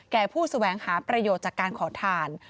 ผู้แสวงหาประโยชน์จากการขอทาน